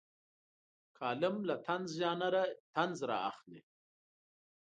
کالم له طنز ژانره طنز رااخلي.